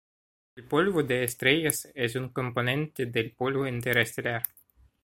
El polvo de estrellas es un componente del polvo interestelar.